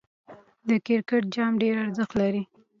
د کرکټ جام ډېر ارزښت لري.